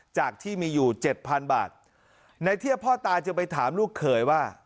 จากที่มีอยู่เจ็ดพันบาทในเทียบพ่อตาจึงไปถามลูกเขยว่า